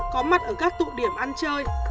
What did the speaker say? có mặt ở các tụ điểm ăn chơi